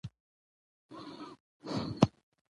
د عطرو جوړولو دود په کونړ کې وده کړې ده.